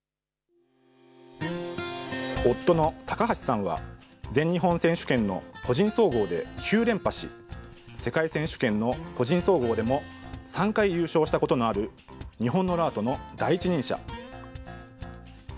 夫の高橋さんは、全日本選手権の個人総合で９連覇し、世界選手権の個人総合でも３回優勝したことのある、日本のラートの第一人者。